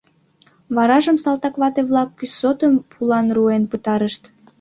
Варажым салтак вате-влак кӱсотым пулан руэн пытарышт.